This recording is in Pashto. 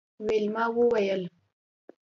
ویلما وویل